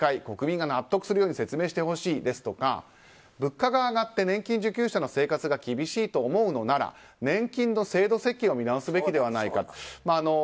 国民が納得するように説明してほしいですとか物価が上がって年金受給者の生活が厳しいと思うのなら年金の制度設計を見直すべきではないかと。